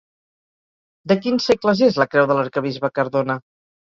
De quins segles és la creu de l'arquebisbe Cardona?